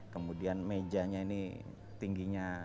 kemudian mejanya ini tingginya